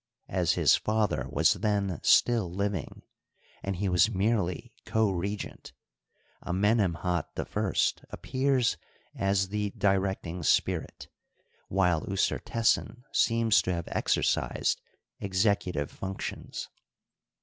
As his father was then still living, and he was merely co regent, Amenemhat I ap pears as the directing spirit, while Usertesen seems to have exercised executive functions.